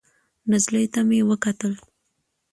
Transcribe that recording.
نجلۍ ته مې وکتل.